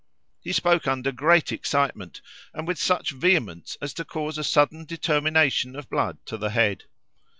He spoke under great excitement, and with such vehemence as to cause a sudden determination of blood to the head.